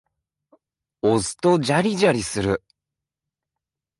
押すとジャリジャリする。